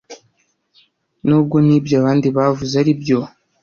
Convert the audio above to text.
n’ubwo n’ibyo abandi bavuze ari byo